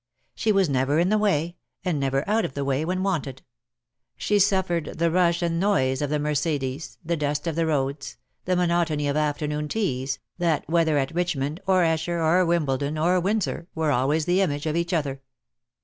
She was never in the way, and never out of the way when wanted. She suffered the rush and noise of the Mercedes, the dust of the roads, the monotony of afternoon teas, that whether at Richmond, or Esher, or Wimbledon, or Windsor, were always the image of each other.